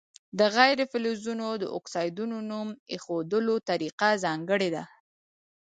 د غیر فلزونو د اکسایدونو نوم ایښودلو طریقه ځانګړې ده.